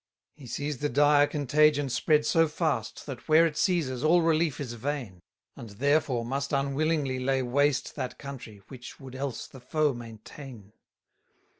244 He sees the dire contagion spread so fast, That, where it seizes, all relief is vain: And therefore must unwillingly lay waste That country, which would else the foe maintain.